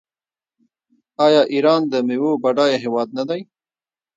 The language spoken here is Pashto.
آیا ایران د میوو بډایه هیواد نه دی؟